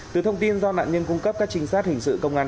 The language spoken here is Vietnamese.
từ thông tin do nạn nhân cung cấp các trinh sát hình sự công an